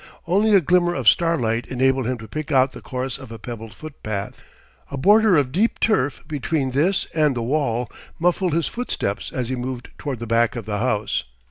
Only a glimmer of starlight enabled him to pick out the course of a pebbled footpath. A border of deep turf between this and the wall muffled his footsteps as he moved toward the back of the house.